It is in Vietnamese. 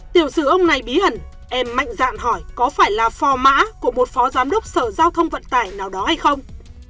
tiểu sư ông này bí hẳn em mạnh dạn hỏi có phải là phỏ má của một phó giám đốc sở giao thông vận tải nào đó hay không